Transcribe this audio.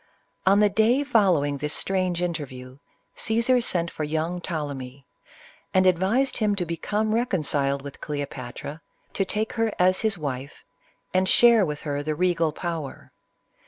On the day following this strange interview, Caesar sent for young Ptolemy, and advised him to become reconciled with Cleopatra, to take her as his wife, and share with her the regal power.